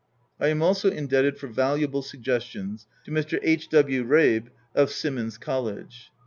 I am also indebted for valuable suggestions to Mr. H. W. Rabe, of Simmons College.